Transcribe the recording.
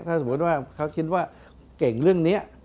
ถ้าสมมุติว่าเขาคิดว่าเก่งเรื่องนี้